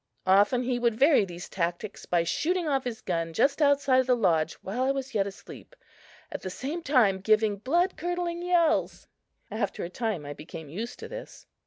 Often he would vary these tactics by shooting off his gun just outside of the lodge while I was yet asleep, at the same time giving blood curdling yells. After a time I became used to this.